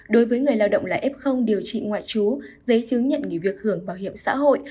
đối với người lao động là f điều trị ngoại trú giấy chứng nhận nghỉ việc hưởng bảo hiểm xã hội